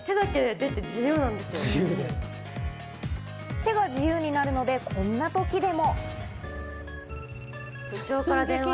手が自由になるのでこんな時でも。